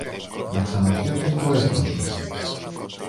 να ξαναφτιάξεις το έθνος σου.